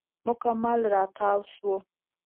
مکمل راتاو شو.